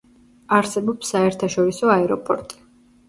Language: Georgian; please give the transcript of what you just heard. არსებობს საერთაშორისო აეროპორტი.